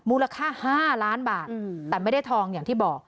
มูลค่า๕ล้านบาทแต่ไม่ได้ทองอย่างที่บอก